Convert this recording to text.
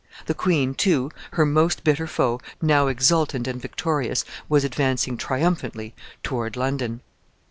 The queen, too, her most bitter foe, now exultant and victorious, was advancing triumphantly toward London.